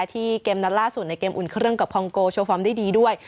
ที่เกมนัดล่าสุดในเกมอุ่นเครื่องกับคองโกโชว์ฟอร์มได้ดีด้วย